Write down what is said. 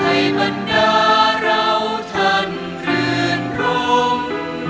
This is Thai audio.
ให้บรรดาเราทันเรื่องรม